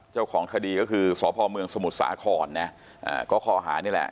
เจ้าของคดีก็คือสพเมืองสมุทรสาครนะก็คอหานี่แหละ